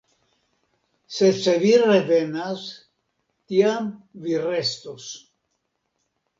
Sed se vi revenas, tiam vi restos.